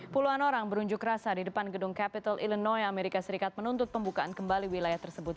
puluhan orang berunjuk rasa di depan gedung capital illinois amerika serikat menuntut pembukaan kembali wilayah tersebut